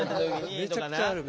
めちゃくちゃある。